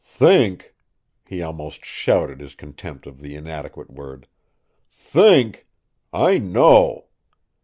"Think!" He almost shouted his contempt of the inadequate word. "Think! I know!